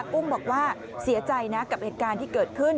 กุ้งบอกว่าเสียใจนะกับเหตุการณ์ที่เกิดขึ้น